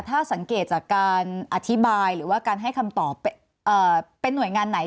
ถ้าสังเกตจากการอธิบายหรือว่าการให้คำตอบเป็นหน่วยงานไหน